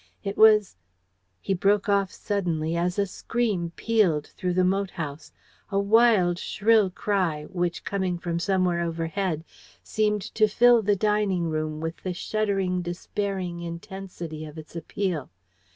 It was " He broke off suddenly, as a scream pealed through the moat house a wild shrill cry, which, coming from somewhere overhead, seemed to fill the dining room with the shuddering, despairing intensity of its appeal.